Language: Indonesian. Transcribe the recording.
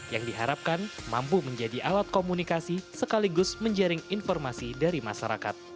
yang diharapkan mampu menjadi alat komunikasi sekaligus menjaring informasi dari masyarakat